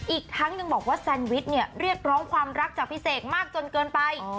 อีกทั้งยังบอกว่าแซนวิชเนี่ยเรียกร้องความรักจากพี่เสกมากจนเกินไป